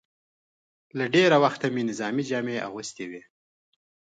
له ډېره وخته مې نظامي جامې اغوستې وې.